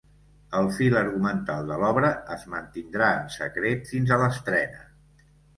El fil argumental de l’obra es mantindrà en secret fins a l’estrena.